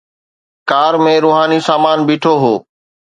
ڪار ۾ روحاني سامان بيٺو هو.